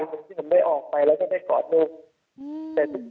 อยากจะมีสักวันที่ผมได้ออกไปแล้วก็ได้กอดลูก